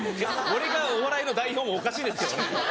俺がお笑いの代表もおかしいですけどね。